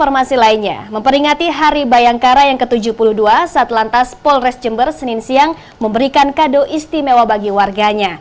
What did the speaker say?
memperingati hari bayangkara ke tujuh puluh dua saat lantas polres jember senin siang memberikan kado istimewa bagi warganya